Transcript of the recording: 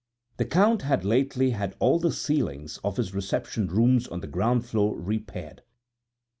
The Count had lately had all the ceilings of his reception rooms on the ground floor repaired.